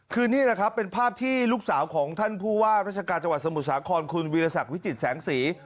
คือนี่แหละครับเป็นภาพที่ลูกสาวของท่านผู้ว่าราชการจังหวัดสมุทรสาครคุณวิรสักวิจิตแสงสี